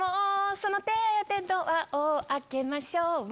その手でドアを開けましょう